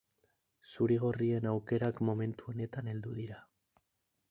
Zurigorrien aukerak momentu honetan heldu dira.